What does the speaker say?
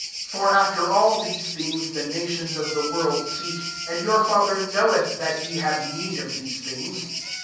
30 For af^er all (hen things the nations of Uie wofM seek; and your Father knowelk that ye have need of these things.